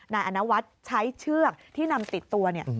นายอันวัดใช้เชือกที่นำติดตัว